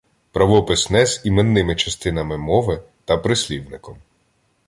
Правопис не з іменними частинами мови та прислівником